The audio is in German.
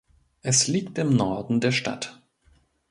Es liegt im Norden der Stadt.